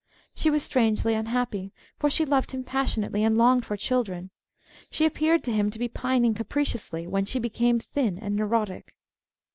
She was strangely unhappy, for she loved him pas sionately and longed for children. She appeared to him to be pining " capriciously " yvhen she became thin and neurotic.